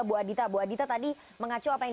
bu adita bu adita tadi mengacu apa yang